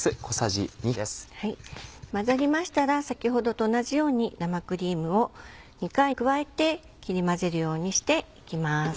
混ざりましたら先ほどと同じように生クリームを２回加えて切り混ぜるようにしていきます。